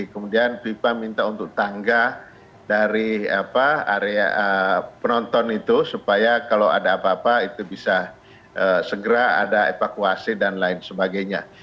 kemudian vipa minta untuk tangga dari area penonton itu supaya kalau ada apa apa itu bisa segera ada evakuasi dan lain sebagainya